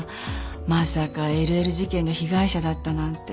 まさかＬＬ事件の被害者だったなんて。